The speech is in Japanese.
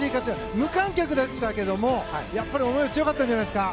無観客でしたけども思いは強かったんじゃないですか。